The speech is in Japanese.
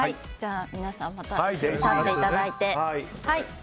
皆さん、また立っていただいて。